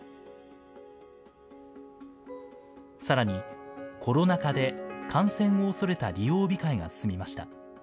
さらにコロナ禍で感染を恐れた利用控えが進みました。